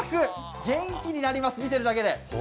元気になります、見てるだけで。